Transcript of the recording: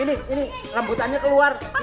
ini ini rambutannya keluar